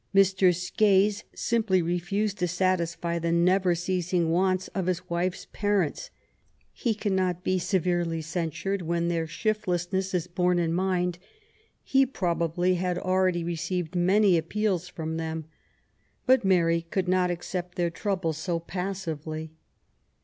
Mr. Skeys simply refused ta satisfy the never ceasing wants of his wife's parents. He cannot be severely censured when their shiftless* ness is borne in mind. He probably had already received many appeals from them. But Mary could not accept their troubles so passively.